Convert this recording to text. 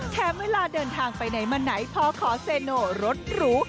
เวลาเดินทางไปไหนมาไหนพอขอเซโนรถหรู